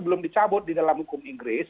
belum dicabut di dalam hukum inggris